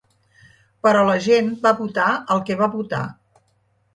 Però la gent va votar el que va votar.